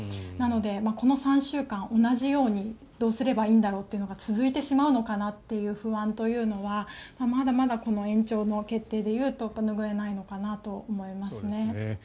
なのでこの３週間、同じようにどうすればいいんだろうというのが続いてしまうのかなという不安はまだまだ延長の決定で言うと拭えないのかなと思いますね。